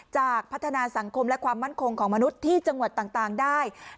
พัฒนาสังคมและความมั่นคงของมนุษย์ที่จังหวัดต่างได้